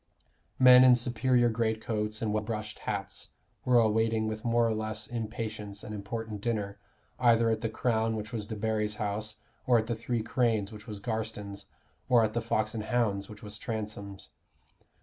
Men in superior greatcoats and well brushed hats were awaiting with more or less impatience an important dinner, either at the Crown, which was Debarry's house, or at the Three Cranes, which was Garstin's, or at the Fox and Hounds, which was Transome's.